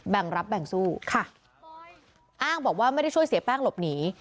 แบ่งรับแบ่งสู้ค่ะอ้างบอกว่าไม่ได้ช่วยเสียแป้งหลบหนี